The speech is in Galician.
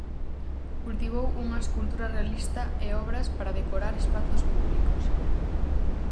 Cultivou unha escultura realista e obras para decorar espazos públicos.